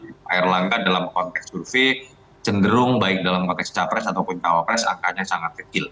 pak erlangga dalam konteks survei cenderung baik dalam konteks capres ataupun cawapres angkanya sangat kecil